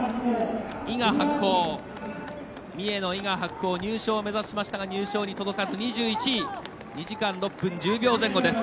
三重の伊賀白鳳入賞を目指しましたが入賞に届かず、２１位。２時間６分１０秒前後です。